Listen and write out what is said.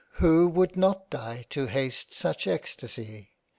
Who would not die to haste such extacy